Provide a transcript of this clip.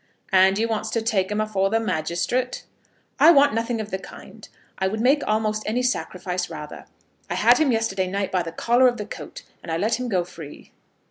"And you wants to take him afore the magistrate?" "I want nothing of the kind. I would make almost any sacrifice rather. I had him yesterday night by the collar of the coat, and I let him go free."